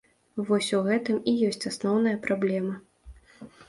Вось у гэтым і ёсць асноўная праблема.